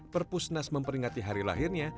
perpusnas memperingati hari lahirnya